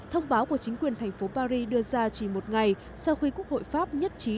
thông báo của chính quyền thành phố paris đưa ra chỉ một ngày sau khi quốc hội pháp nhất trí